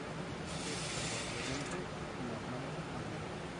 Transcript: Es probablemente una planta anual.